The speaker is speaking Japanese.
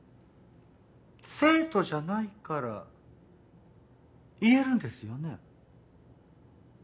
生徒じゃないから言えるんですよね？